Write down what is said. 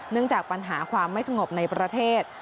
จากปัญหาความไม่สงบในประเทศ